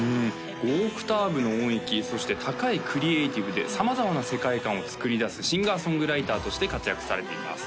５オクターブの音域そして高いクリエイティブで様々な世界観をつくり出すシンガー・ソングライターとして活躍されています